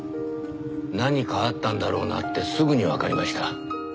何かあったんだろうなってすぐにわかりました。